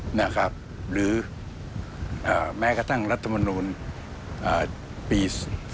หรือแม้กระทั่งรัฐมนูลปี๔